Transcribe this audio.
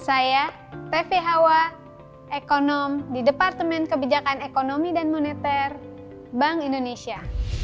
saya tevi hawa ekonom di departemen kebijakan ekonomi dan moneter bank indonesia